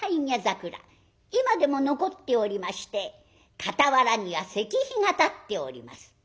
今でも残っておりまして傍らには石碑が立っております。